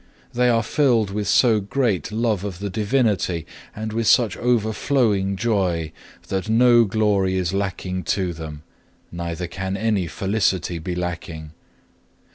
They are filled with so great love of the Divinity, and with such overflowing joy, that no glory is lacking to them, neither can any felicity be lacking.